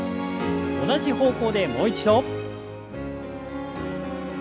同じ方向でもう一度。